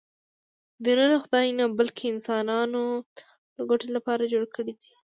دینونه خدای نه، بلکې انسانانو د خپلو ګټو لپاره جوړ کړي دي